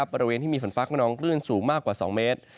บริเวณที่มีฝนฟ้าขนองคลื่นสูงมากกว่า๒เมตร